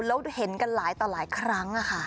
แล้วเห็นกันหลายต่อหลายครั้ง